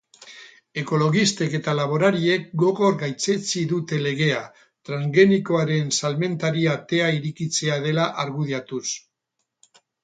Ekologistek eta laborariek gogor gaitzetsi dute legea, transgenikoen salmentari atea irekitzea dela argudiatuz.